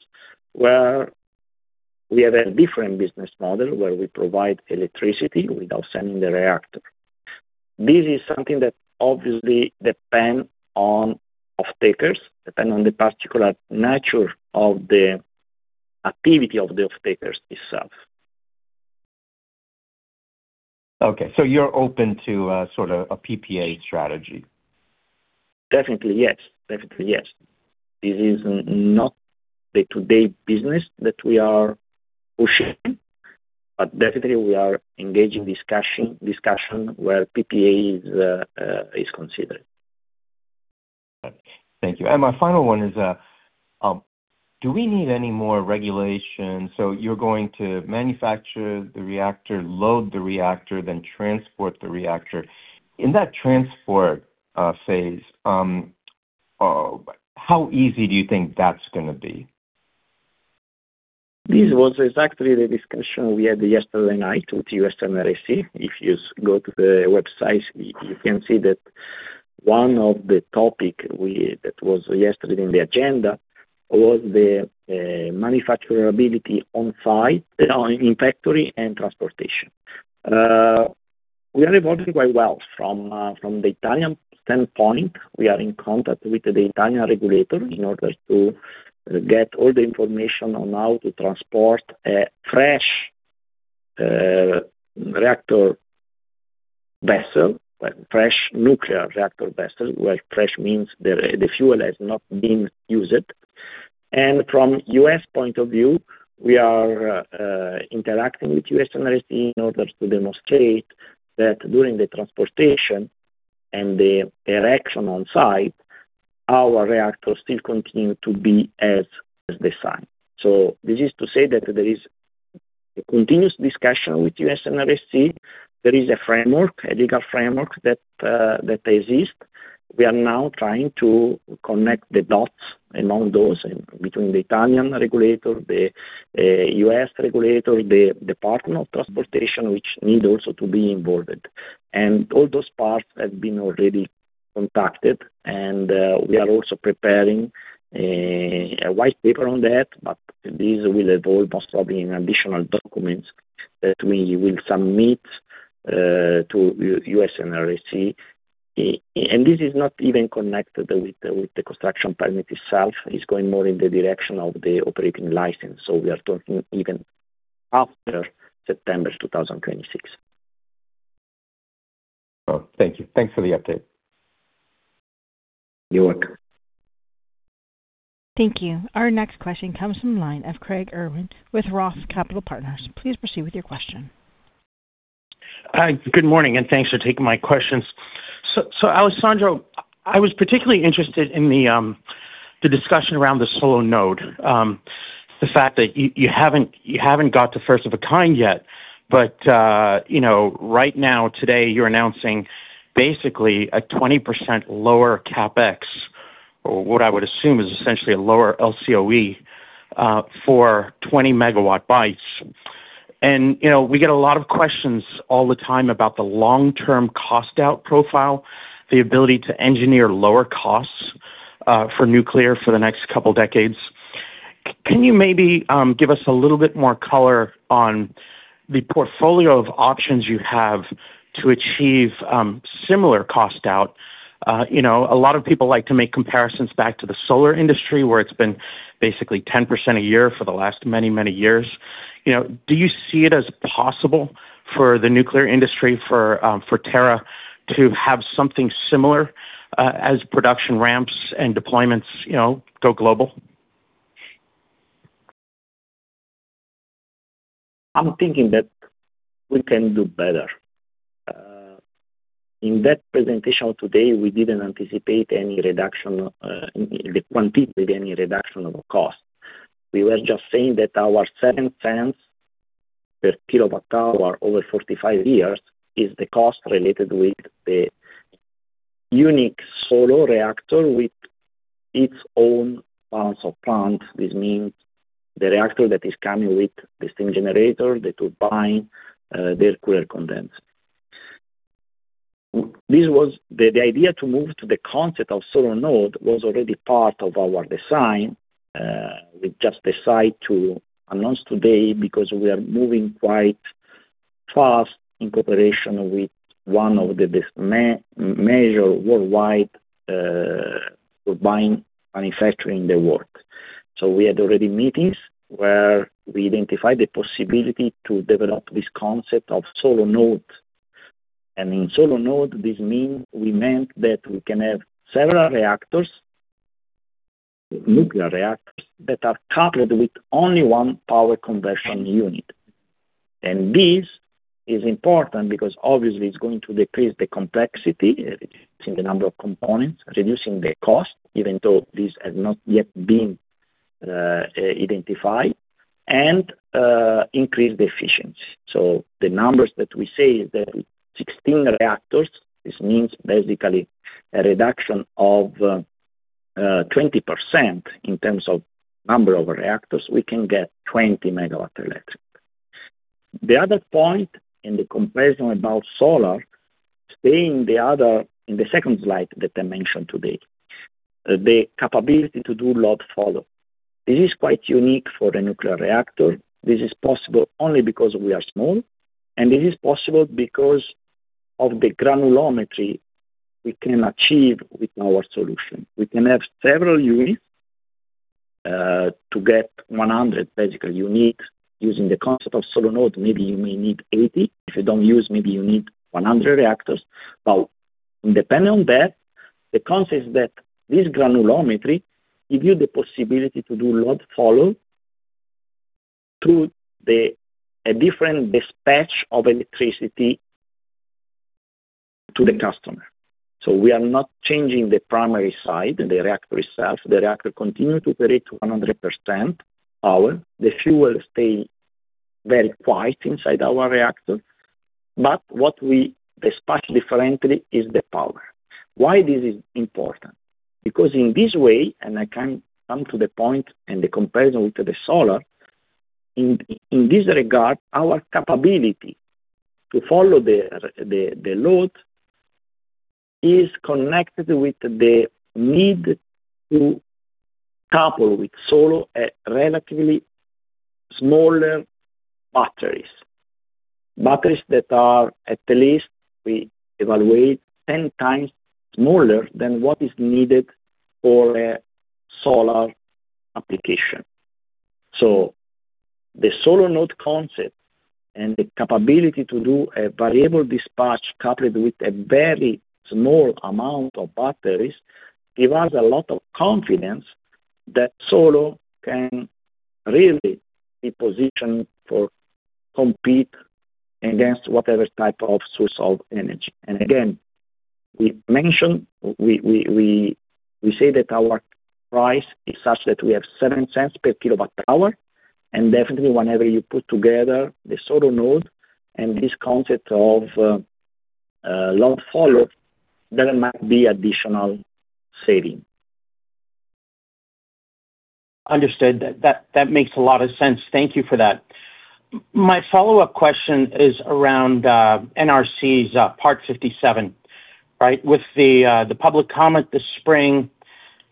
where we have a different business model where we provide electricity without selling the reactor. This is something that obviously depend on off-takers, depend on the particular nature of the activity of the off-takers itself. Okay, you're open to a sort of a PPA strategy? Definitely, yes. This is not the day-to-day business that we are pushing, but definitely we are engaging in discussions where PPA is considered. Thank you. My final one is, do we need any more regulation? You're going to manufacture the reactor, load the reactor, then transport the reactor. In that transport phase, how easy do you think that's going to be? This was exactly the discussion we had yesterday night with U.S. NRC. If you go to the website, you can see that one of the topic that was yesterday in the agenda was the manufacturability on-site, in factory and transportation. We are evolving quite well from the Italian standpoint. We are in contact with the Italian regulator in order to get all the information on how to transport a fresh reactor vessel, fresh nuclear reactor vessel, where fresh means the fuel has not been used. From U.S. point of view, we are interacting with U.S. NRC in order to demonstrate that during the transportation and the erection on site, our reactor still continue to be as designed. This is to say that there is a continuous discussion with U.S. NRC. There is a framework, a legal framework that exists. We are now trying to connect the dots among those, between the Italian regulator, the U.S. regulator, the Department of Transportation, which need also to be involved. All those parts have been already contacted, and we are also preparing a white paper on that, but this will evolve most probably in additional documents that we will submit to U.S. NRC. This is not even connected with the construction permit itself. It's going more in the direction of the operating license, so we are talking even after September 2026. Well, thank you. Thanks for the update. You're welcome. Thank you. Our next question comes from the line of Craig Irwin with ROTH Capital Partners. Please proceed with your question. Hi, good morning, and thanks for taking my questions. Alessandro, I was particularly interested in the discussion around the SOLO Node, the fact that you haven't got to FOAK yet. Right now, today, you're announcing basically a 20% lower CapEx, or what I would assume is essentially a lower LCOE, for 20 MW. We get a lot of questions all the time about the long-term cost out profile, the ability to engineer lower costs for nuclear for the next couple decades. Can you maybe give us a little bit more color on the portfolio of options you have to achieve similar cost out? A lot of people like to make comparisons back to the solar industry, where it's been basically 10% a year for the last many, many years. Do you see it as possible for the nuclear industry, for Terra Innovatum, to have something similar as production ramps and deployments go global? I'm thinking that we can do better. In that presentation today, we didn't anticipate any reduction, quantitatively any reduction of cost. We were just saying that our $0.07 per kWh over 45 years is the cost related with the unique SOLO reactor with its own balance of plant. This means the reactor that is coming with the steam generator, the turbine, the cooler condenser. The idea to move to the concept of SOLO Node was already part of our design. We just decide to announce today because we are moving quite fast in cooperation with one of the major worldwide turbine manufacturers in the world. We had already meetings where we identified the possibility to develop this concept of SOLO Node. In SOLO Node, this mean we meant that we could have several reactors, nuclear reactors, that are coupled with only one power conversion unit. This is important because obviously it's going to decrease the complexity, reducing the number of components, reducing the cost, even though this has not yet been identified, and increase the efficiency. The numbers that we say is that 16 reactors, this means basically a reduction of 20% in terms of number of reactors, we can get 20 MWe. The other point in the comparison about solar, see in the second slide that I mentioned today. The capability to do load follow. This is quite unique for the nuclear reactor. This is possible only because we are small, and it is possible because of the granularity we can achieve with our solution. We can have several units, to get 100, basically, you need, using the concept of SOLO Node, maybe you may need 80. If you don't use, maybe you need 100 reactors. Independent of that, the concept is that this granularity gives you the possibility to do load follow through a different dispatch of electricity to the customer. We are not changing the primary side, the reactor itself. The reactor continues to operate to 100% power. The fuel stays very quiet inside our reactor. What we dispatch differently is the power. Why this is important? Because in this way, and I can come to the point and the comparison with the solar, in this regard, our capability to follow the load is connected with the need to couple with solar at relatively smaller batteries. Batteries that are, at least we evaluate, 10x smaller than what is needed for a solar application. The SOLO Node concept and the capability to do a variable dispatch coupled with a very small amount of batteries give us a lot of confidence that SOLO can really be positioned to compete against whatever type of source of energy. Again, we say that our price is such that we have $0.07 /kWh, and definitely whenever you put together the SOLO Node and this concept of load follow, there might be additional savings. Understood. That makes a lot of sense. Thank you for that. My follow-up question is around NRC's Part 57. With the public comment this spring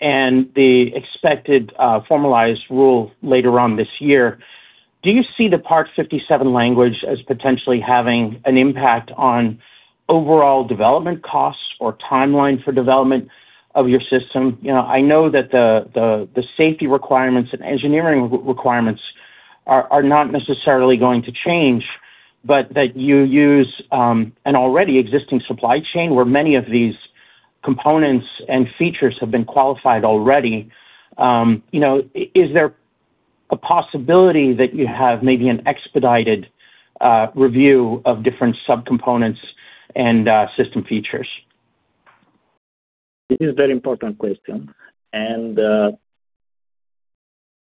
and the expected formalized rule later on this year, do you see the Part 57 language as potentially having an impact on overall development costs or timeline for development of your system? I know that the safety requirements and engineering requirements are not necessarily going to change, but that you use an already existing supply chain where many of these components and features have been qualified already. Is there a possibility that you have maybe an expedited review of different sub-components and system features? It is a very important question.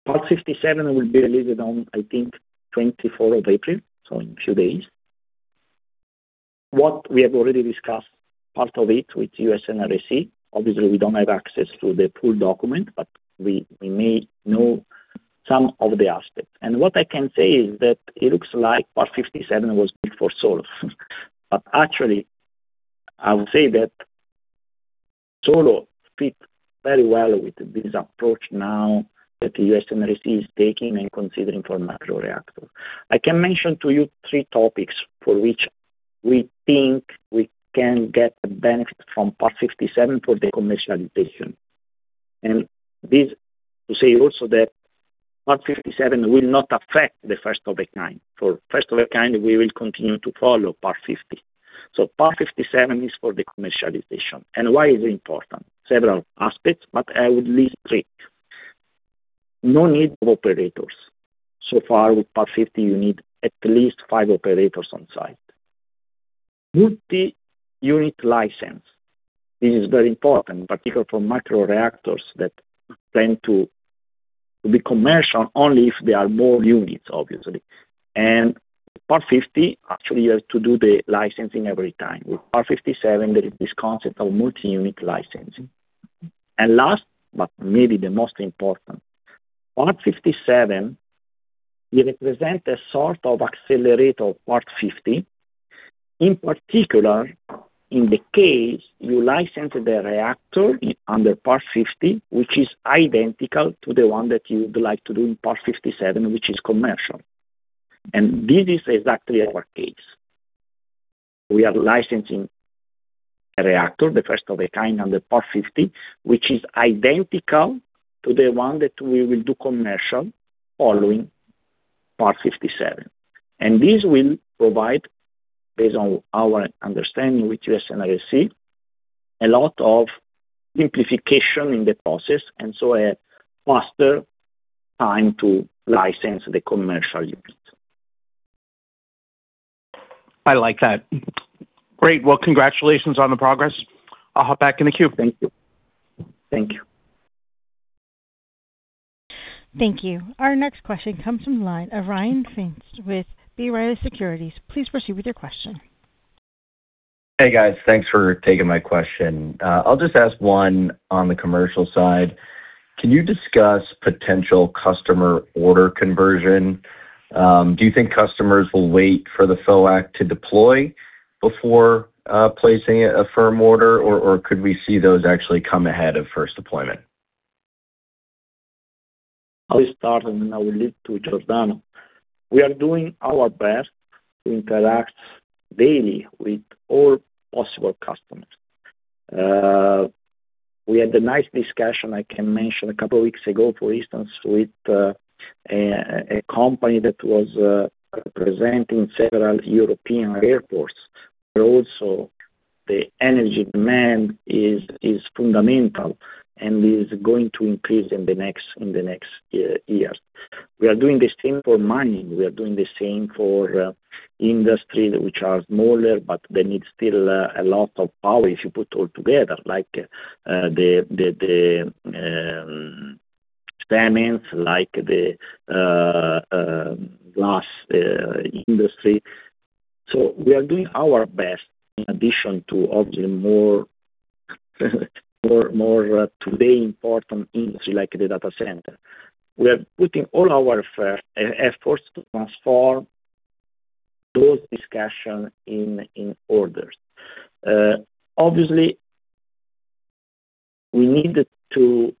Part 57 will be released on, I think, April 24, so in a few days. What we have already discussed part of it with U.S. NRC, obviously, we don't have access to the full document, but we may know some of the aspects. What I can say is that it looks like Part 57 was built for SOLO. Actually, I would say that SOLO fit very well with this approach now that the U.S. NRC is taking and considering for microreactor. I can mention to you three topics for which we think we can get a benefit from Part 57 for the commercialization. This to say also that Part 57 will not affect the FOAK. FOAK, we will continue to follow Part 50. Part 57 is for the commercialization. Why is it important? Several aspects, but I would list three. No need of operators. So far, with Part 50, you need at least five operators on site. Multi-unit license. This is very important, particularly for microreactors that tend to be commercial only if there are more units, obviously. Part 50 actually has to do the licensing every time. With Part 57, there is this concept of multi-unit licensing. Last, but maybe the most important, Part 57 will represent a sort of accelerator of Part 50. In particular, in the case you license the reactor under Part 50, which is identical to the one that you would like to do in Part 57, which is commercial. This is exactly our case. We are licensing a reactor, the FOAK, under Part 50, which is identical to the one that we will do commercial following Part 57. This will provide, based on our understanding with U.S. NRC, a lot of simplification in the process, and so a faster time to license the commercial unit. I like that. Great. Well, congratulations on the progress. I'll hop back in the queue. Thank you. Thank you. Thank you. Our next question comes from the line of Ryan Pfingst with B. Riley Securities. Please proceed with your question. Hey, guys. Thanks for taking my question. I'll just ask one on the commercial side. Can you discuss potential customer order conversion? Do you think customers will wait for the FOAK to deploy before placing a firm order, or could we see those actually come ahead of first deployment? I'll start, and then I will leave to Giordano. We are doing our best to interact daily with all possible customers. We had a nice discussion, I can mention, a couple of weeks ago, for instance, with a company that was representing several European airports, where also the energy demand is fundamental and is going to increase in the next years. We are doing the same for mining. We are doing the same for industries which are smaller, but they need still a lot of power if you put all together, like the cements, like the glass industry. We are doing our best, in addition to obviously more important today industry like the data center. We are putting all our efforts to transform those discussions in orders. Obviously, we needed to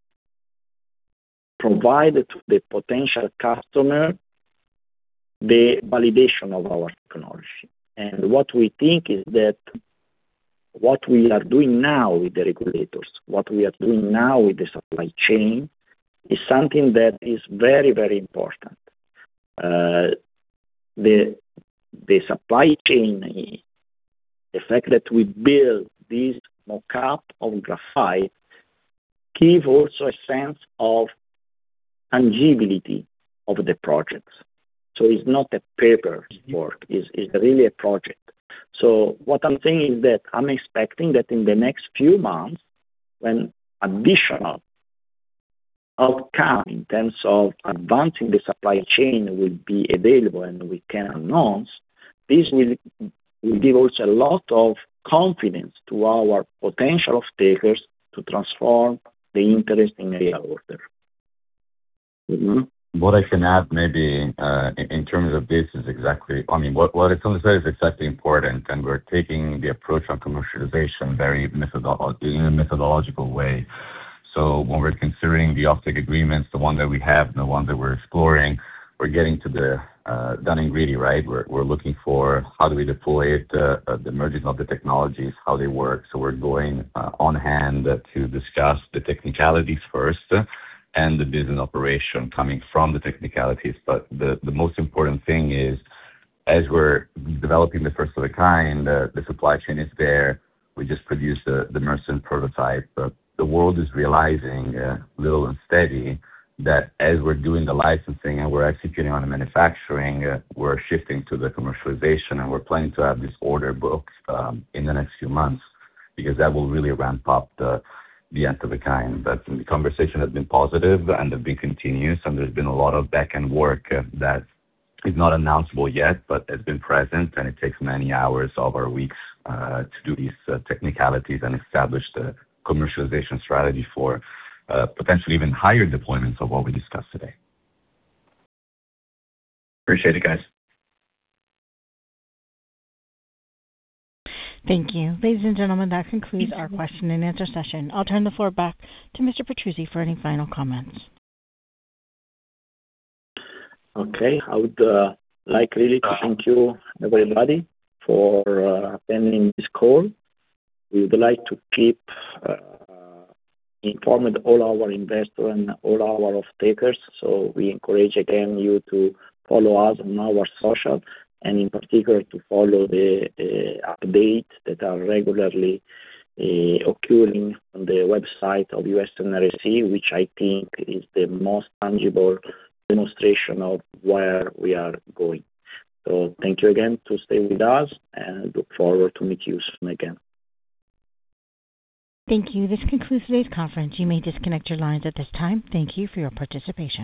provide to the potential customer the validation of our technology. What we think is that what we are doing now with the regulators, what we are doing now with the supply chain, is something that is very, very important. The supply chain, the fact that we build this mock-up of graphite, give also a sense of tangibility of the projects. It's not a paperwork, it's really a project. What I'm saying is that I'm expecting that in the next few months, when additional outcome in terms of advancing the supply chain will be available and we can announce, this will give also a lot of confidence to our potential off takers to transform the interest in a real order. What I can add maybe, in terms of this, is exactly what Alessandro said is exactly important, and we're taking the approach on commercialization in a methodological way. When we're considering the off-take agreements, the one that we have and the one that we're exploring, we're getting to the one ingredient, right? We're looking for how do we deploy it, the merging of the technologies, how they work. We're going hand in hand to discuss the technicalities first and the business operation coming from the technicalities. The most important thing is, as we're developing the FOAK, the supply chain is there. We just produced the Mersen prototype. The world is realizing, little and steady, that as we're doing the licensing and we're executing on the manufacturing, we're shifting to the commercialization, and we're planning to have this order book in the next few months, because that will really ramp up the FOAK. The conversation has been positive and have been continuous, and there's been a lot of back-end work that is not announce able yet, but has been present, and it takes many hours of our weeks to do these technicalities and establish the commercialization strategy for potentially even higher deployments of what we discussed today. Appreciate it, guys. Thank you. Ladies and gentlemen, that concludes our question-and-answer session. I'll turn the floor back to Mr. Petruzzi for any final comments. Okay. I would like really to thank you, everybody, for attending this call. We would like to keep informed all our investors and all our off takers. We encourage, again, you to follow us on our social, and in particular, to follow the updates that are regularly occurring on the website of U.S. NRC, which I think is the most tangible demonstration of where we are going. Thank you again to stay with us and look forward to meet you soon again. Thank you. This concludes today's conference. You may disconnect your lines at this time. Thank you for your participation.